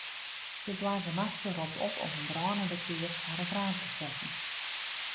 De boargemaster ropt op om in brânende kears foar it raam te setten.